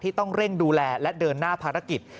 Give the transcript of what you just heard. ต้องเร่งดูแลและเดินหน้าภารกิจ